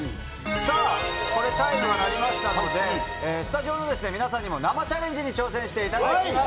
さあ、これチャイムが鳴りましたので、スタジオの皆さんにも生チャレンジに挑戦していただきます。